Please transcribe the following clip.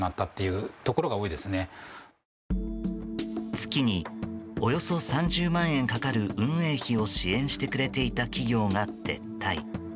月におよそ３０万円かかる運営費を支援してくれていた企業が撤退。